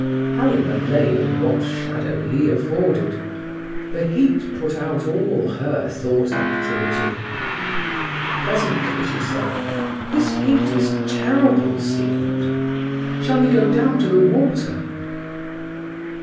Helena lay in what shadow he afforded. The heat put out all her thought activity. Presently she said: "This heat is terrible, Siegmund. Shall we go down to the water?"